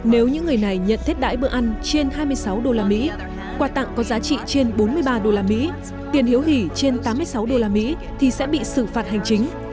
nếu những người này nhận thết đãi bữa ăn trên hai mươi sáu đô la mỹ quà tặng có giá trị trên bốn mươi ba đô la mỹ tiền hiếu hỷ trên tám mươi sáu đô la mỹ thì sẽ bị xử phạt hành chính